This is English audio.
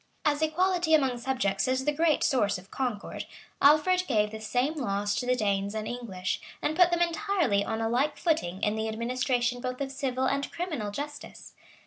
As equality among subjects is the great source of concord, Alfred gave the same laws to the Danes and English, and put them entirely on a like footing in the administration both of civil and criminal justice.